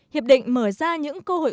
hiệp định mở ra những cơ hội